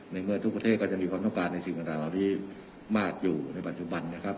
ในเมื่อทุกประเทศก็จะมีความต้องการในสิ่งต่างเหล่านี้มากอยู่ในปัจจุบันนะครับ